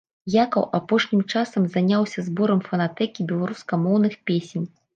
Якаў апошнім часам заняўся зборам фанатэкі беларускамоўных песень.